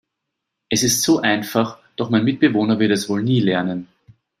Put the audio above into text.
Es ist so einfach, doch mein Mitbewohner wird es wohl nie lernen.